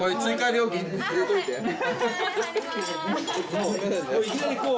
もういきなりこう。